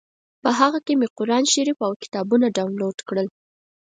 په هغه کې مې قران شریف او کتابونه ډاونلوډ کړل.